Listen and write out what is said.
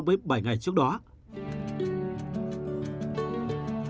cảm ơn các bạn đã theo dõi và hẹn gặp lại